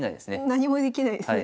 何もできないですね。